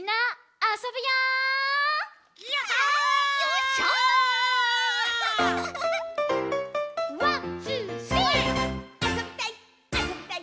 「あそびたいっ！」